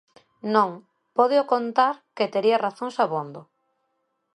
Non, pódeo contar que tería razóns abondo.